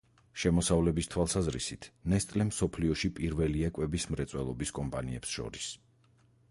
შემოსავლების თვალსაზრისით, ნესტლე მსოფლიოში პირველია კვების მრეწველობის კომპანიებს შორის.